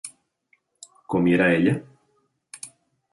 ¿comiera ella?